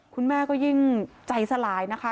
คุณแม่ก็ยิ่งใจสลายนะคะ